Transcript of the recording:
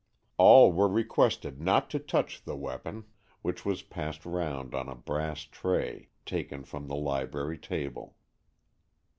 All were requested not to touch the weapon, which was passed round on a brass tray taken from the library table.